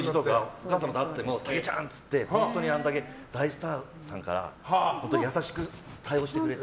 お母様と会ってもたけちゃん！って言って本当にあれだけ大スターさんから優しく対応してくれて。